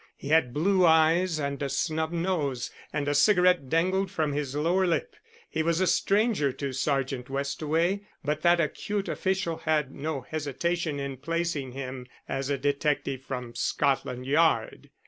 He had blue eyes and a snub nose, and a cigarette dangled from his lower lip. He was a stranger to Sergeant Westaway, but that acute official had no hesitation in placing him as a detective from Scotland Yard.